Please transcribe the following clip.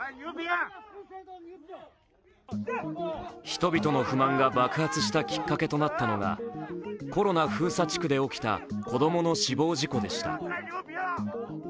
人々の不満が爆発したきっかけとなったのが、コロナ封鎖地区で起きた子供の死亡事故でした。